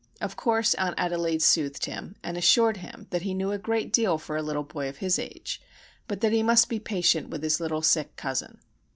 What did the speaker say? Of course, Aunt Adelaide soothed him, and assured him that he knew a great deal for a little boy of his age, but that he must be patient with his little sick cousin.